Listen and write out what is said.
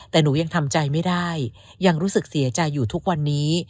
แต่หนูยังทำใจไม่ได้ยังรู้สึกเสียใจอยู่ทุกวันนี้